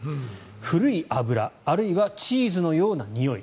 古い油あるいはチーズのようなにおい。